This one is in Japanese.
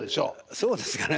そうですかね。